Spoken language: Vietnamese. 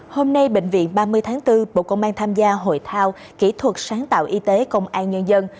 hôm nay bệnh viện ba mươi tháng bốn bộ công an tham gia hội thao kỹ thuật sáng tạo y tế công an nhân dân